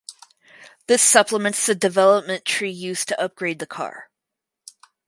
This supplements the development tree used to upgrade the car.